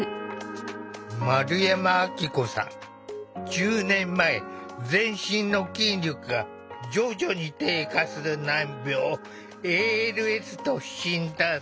１０年前全身の筋力が徐々に低下する難病ＡＬＳと診断された。